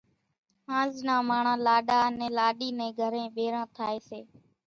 هانز نان ماڻۿان لاڏا انين لاڏِي نين گھرين ڀيران ٿائيَ سي۔